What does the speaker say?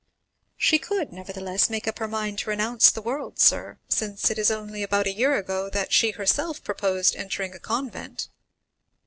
"She could, nevertheless, make up her mind to renounce the world, sir, since it is only about a year ago that she herself proposed entering a convent."